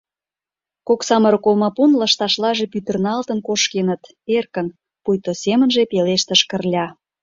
— Кок самырык олмапун лышташлаже пӱтырналтын — кошкеныт, — эркын, пуйто семынже пелештыш Кырля.